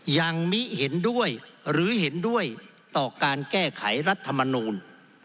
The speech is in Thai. มิเห็นด้วยหรือเห็นด้วยต่อการแก้ไขรัฐมนูล